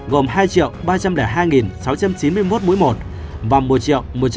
gồm hai ba trăm linh hai sáu trăm chín mươi một mũi một và một một trăm năm mươi hai ba mươi bảy mũi hai